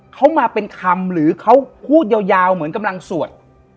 เขามาเป็นคำหรือเขาพูดยาวเหมือนกำลังสวด